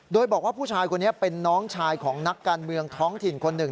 โดยบอกว่าผู้ชายคนนี้เป็นน้องชายของนักการเมืองท้องถิ่นคนหนึ่ง